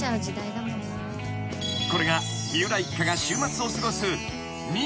［これが三浦一家が週末を過ごす